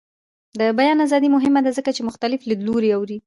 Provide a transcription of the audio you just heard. د بیان ازادي مهمه ده ځکه چې مختلف لیدلوري اوري.